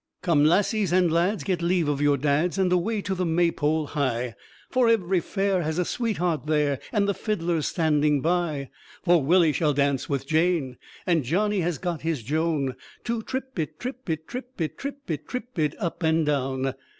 Come lasses and lads, get leave of your dads, And away to the Maypole hie, For ev'ry fair has a sweetheart there, And the fiddler's standing by. For Willy shall dance with Jane, And Johnny has got his Joan, To trip it, trip it, trip it, trip it, Trip it up and down.